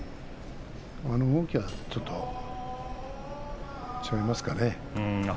あの動きはちょっと違いますかね。